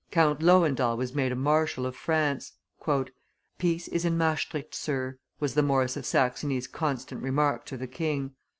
Count Lowendahl was made a marshal of France. "Peace is in Maestricht, Sir," was Maurice of Saxony's constant remark to the king.